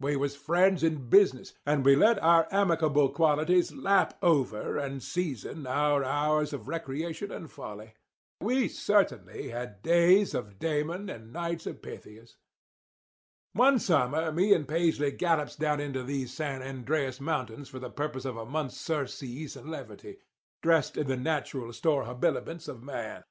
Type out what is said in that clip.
We was friends in business, and we let our amicable qualities lap over and season our hours of recreation and folly. We certainly had days of Damon and nights of Pythias. "One summer me and Paisley gallops down into these San Andrés mountains for the purpose of a month's surcease and levity, dressed in the natural store habiliments of man.